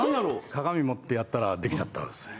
鏡持ってやったらできちゃったんっすね。